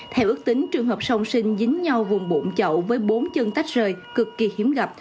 theo ước tính trường hợp song sinh dính nhau vùng bụng chậu với bốn chân tách rời cực kỳ hiếm gặp